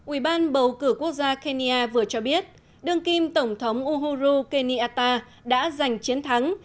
ủy ban bầu cử quốc gia kenya vừa cho biết đương kim tổng thống uhuru kenyata đã giành chiến thắng